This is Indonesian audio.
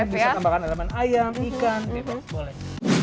boleh bisa tambahkan elemen ayam ikan bebas boleh